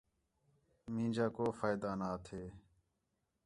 مینجا کَو فائدہ نا تھے